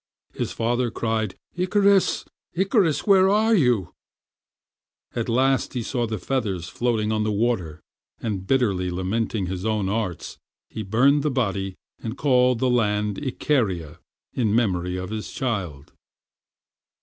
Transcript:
His father cried, "Icarus, Icarus, where are you?" At last he saw the feathers floating on the water, and bitterly lamenting his own arts, he buried the body and called the land Icaria in memory of his child.